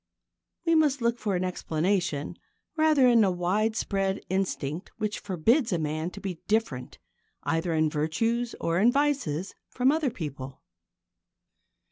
We must look for an explanation rather in the widespread instinct which forbids a man to be different either in virtues or in vices from other people.